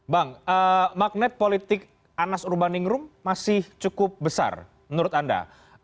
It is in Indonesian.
bang magnet politik anas urbaningrum masih cukup besar menurut anda